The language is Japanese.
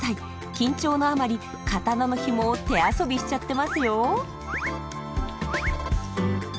緊張のあまり刀のヒモを手遊びしちゃってますよ。